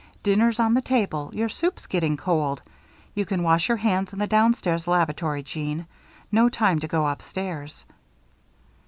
"Dinner's on the table. Your soup's getting cold. You can wash your hands in the downstairs lavatory, Jeanne no time to go upstairs."